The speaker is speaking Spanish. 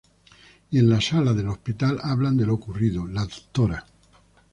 Y en la sala del hospital hablan de lo ocurrido, la Dra.